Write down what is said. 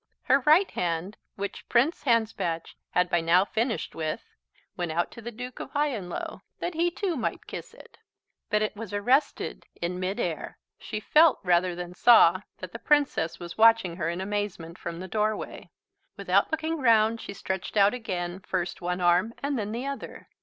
Her right hand, which Prince Hanspatch had by now finished with, went out to the Duke of Highanlow that he too might kiss it. But it was arrested in mid air. She felt rather than saw that the Princess was watching her in amazement from the doorway. Without looking round she stretched out again first one arm and then the other.